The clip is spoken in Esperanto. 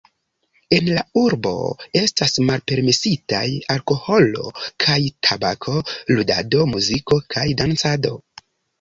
En la urbo estas malpermesitaj alkoholo kaj tabako, ludado, muziko kaj dancado.